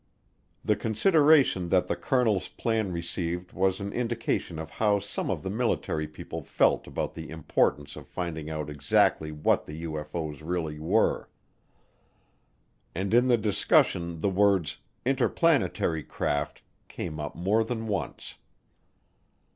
The consideration that the colonel's plan received was an indication of how some of the military people felt about the importance of finding out exactly what the UFO's really were. And in the discussions the words "interplanetary craft" came up more than once.